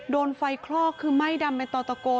โดนไฟคลอกคือไหม้ดำเป็นต่อตะโก